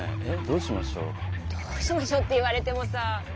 どうしましょうって言われてもさ。